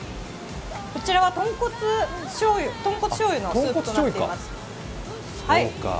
こちらは豚骨しょうゆのスープとなっています。